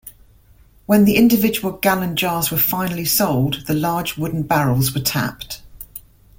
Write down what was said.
When the individual gallon jars were finally sold, the large wooden barrels were tapped.